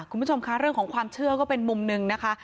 คุณผู้ชมคะเรื่องของความเชื่อก็เป็นมุมหนึ่งนะคะ